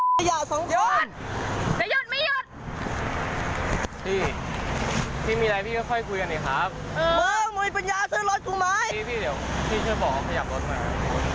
แล้วขยับรถไหมครับ